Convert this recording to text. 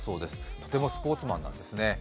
とてもスポーツマンなんですね。